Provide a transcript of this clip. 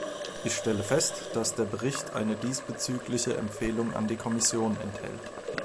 Ich stelle fest, dass der Bericht eine diesbezügliche Empfehlung an die Kommission enthält.